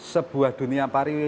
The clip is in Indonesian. sebuah dunia pariwisata